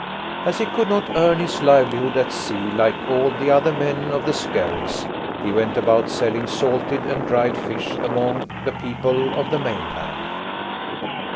As he could not earn his livelihood at sea like all the other men of the skerries, he went about selling salted and dried fish among the people of the mainland.